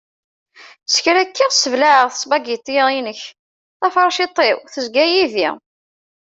S kra kkiɣ sseblaɛeɣ ssbagiti-inek, tafurciṭ-iw tezga yid-i.